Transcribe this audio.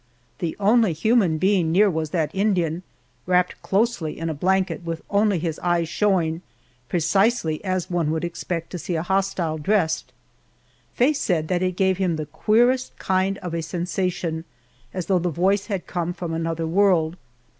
The only human being near was that Indian, wrapped closely in a blanket, with only his eyes showing, precisely as one would expect to see a hostile dressed. Faye said that it gave him the queerest kind of a sensation, as though the voice had come from another world.